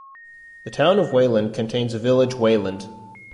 The Town of Wayland contains a village Wayland.